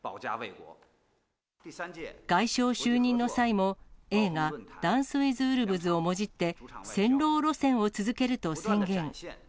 外相就任の際も、映画、ダンスウィズウルブズをもじって、戦狼路線を続けると宣言。